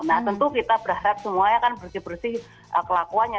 nah tentu kita berharap semuanya kan bersih bersih kelakuannya